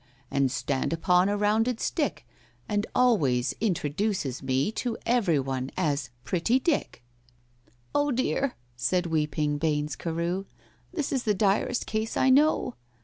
And stand upon a rounded stick, And always introduces me To every one as 'Pretty Dick'!" "Oh, dear," said weeping BAINES CAREW, "This is the direst case I know."